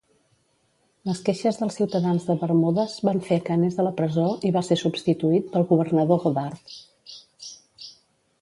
Les queixes dels ciutadans de Bermudes van fer que anés a la presó i va ser substituït pel governador Goddard.